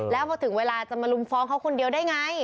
แล้วพอถึงเวลาจะมาลุมฟ้องเขาคนเดียวได้ไง